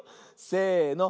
せの。